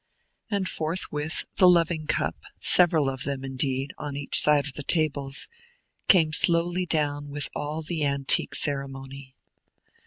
And forthwith the loving cup several of them, indeed, on each side of the tables came slowly down with all the antique ceremony.